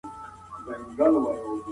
زه اوس د کور پاکوالی کوم.